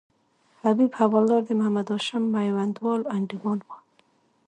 حبیب حوالدار د محمد هاشم میوندوال انډیوال وو.